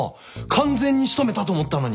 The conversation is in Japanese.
完全に仕留めたと思ったのに。